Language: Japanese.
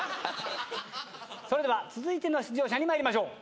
それでは続いての出場者に参りましょう。